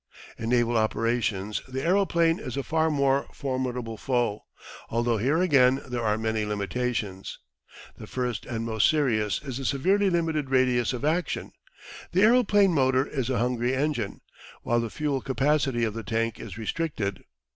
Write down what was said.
In naval operations the aeroplane is a far more formidable foe, although here again there are many limitations. The first and most serious is the severely limited radius of action. The aeroplane motor is a hungry engine, while the fuel capacity of the tank is restricted.